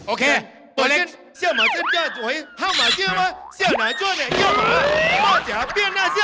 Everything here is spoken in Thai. โอเคตัวเล็ก